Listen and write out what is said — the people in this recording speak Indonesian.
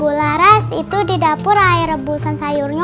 bu laras itu di dapur erebusan sayurnya